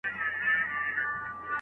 استاد د ليکني نیمګړتیاوې ښيي.